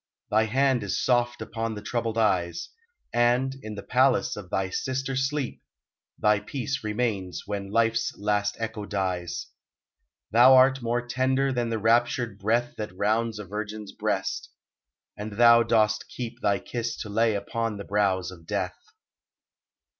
Thy hand is soft upon the troubled eyes, And, in the palace of thy sister Sleep, Thy peace remains when Life's last echo dies. Thou art more tender than the raptured breath That rounds a virgin's breast, and thou dost keep Thy kiss to lay upon the brows of Death.